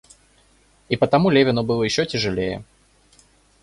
И потому Левину было еще тяжелее.